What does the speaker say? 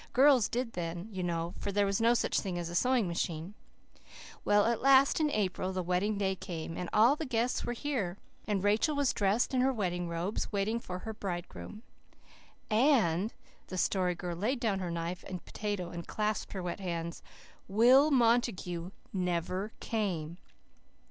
Girls did, then, you know, for there was no such thing as a sewing machine. Well, at last in April the wedding day came, and all the guests were here, and Rachel was dressed in her wedding robes, waiting for her bridegroom. And" the Story Girl laid down her knife and potato and clasped her wet hands "WILL MONTAGUE NEVER CAME!"